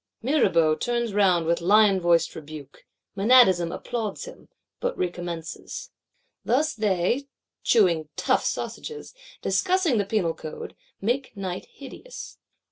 Mirabeau turns round with lion voiced rebuke; Menadism applauds him; but recommences. Thus they, chewing tough sausages, discussing the Penal Code, make night hideous.